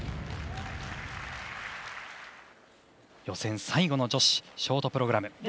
予選最後の女子ショートプログラム。